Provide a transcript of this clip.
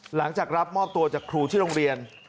หลังจากรับมอบตัวจากครูที่โรงเรียน